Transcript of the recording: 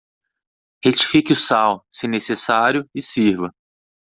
Retifique o sal, se necessário, e sirva.